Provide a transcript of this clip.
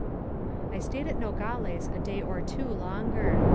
I stayed at Nogales a day or two longer.